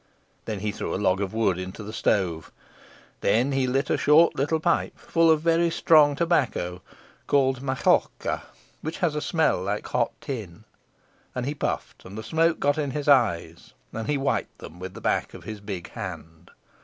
Then he threw a log of wood into the stove. Then he lit a short little pipe, full of very strong tobacco, called Mahorka, which has a smell like hot tin. And he puffed, and the smoke got in his eyes, and he wiped them with the back of his big hand.